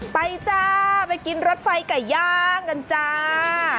จ้าไปกินรถไฟไก่ย่างกันจ้า